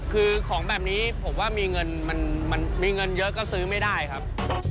คือของแบบนี้ผมว่ามีเงินมันมีเงินเยอะก็ซื้อไม่ได้ครับ